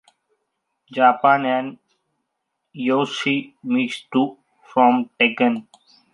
Japan" and Yoshimitsu from "Tekken".